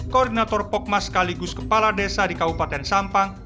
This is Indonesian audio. koordinator pogma sekaligus kepala desa di kabupaten sampang